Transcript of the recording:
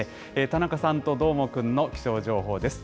田中さんとどーもくんの気象情報です。